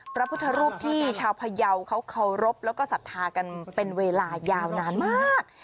พระพุทธรูปที่ชาวพยาวเขาเคารพแล้วก็ศรัทธากันเป็นเวลายาวนานมาก